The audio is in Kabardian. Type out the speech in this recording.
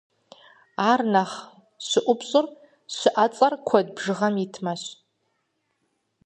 Ар нэхъ щыӏупщӏыр щыӏэцӏэр куэд бжыгъэм итмэщ.